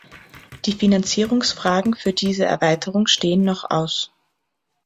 Die Finanzierungsfragen für diese Erweiterung stehen noch aus.